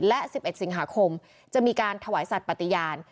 และ๑๑สิงหาคมจะมีการถวายสัตว์ปฏิญาณ